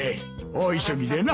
大急ぎでな。